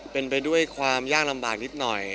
เป็นไปด้วยความยากลำบากนิดหน่อย